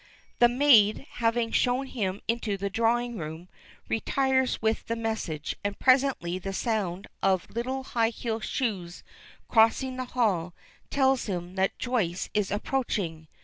The maid, having shown him into the drawing room, retires with the message, and presently the sound of little high heeled shoes crossing the hall tells him that Joyce is approaching.